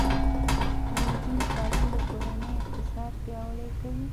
د نجونو تعلیم د کورنۍ اقتصاد پیاوړی کوي.